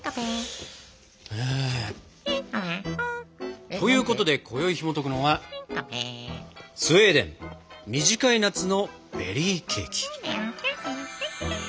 えということで今宵ひもとくのは「スウェーデン短い夏のベリーケーキ」。